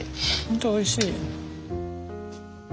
本当おいしい。